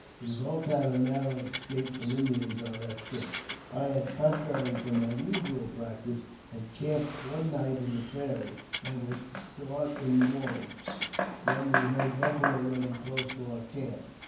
We both had a narrow escape from Indians on that trip. I had, contrary to my usual practice, encamped one night in the prairie, and was to start in the^j morning, when we heard buffalo running close to our camp.